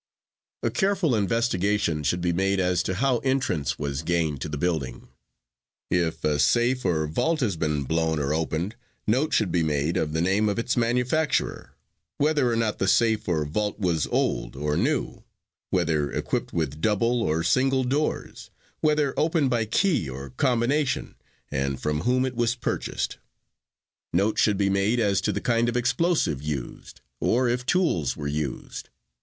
A careful investigation should be made as to how entrance was gained to the building. If a safe or vault has been blown or opened, note should be made of the name of its manufacturer, whether or not the safe or vault was old or new, whether equipped with double or single doors, whether opened by key or combination, and from whom it was purchased. Note should be made as to the kind of explosive used, or if tools were used.